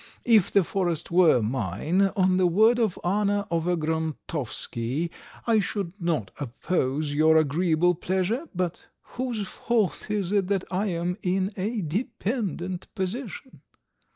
If the forest were mine, on the word of honour of a Grontovsky, I should not oppose your agreeable pleasure. But whose fault is it that I am in a dependent position?"